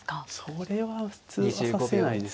それは普通は指せないですね。